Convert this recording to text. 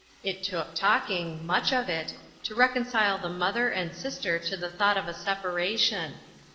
It took talking much of it to reconcile the mother and sister to the thought of a separation.